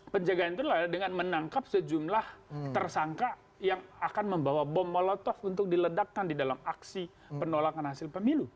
penjagaan itu adalah dengan menangkap sejumlah tersangka yang akan membawa bom molotov untuk diledakkan di dalam aksi penolakan hasil pemilu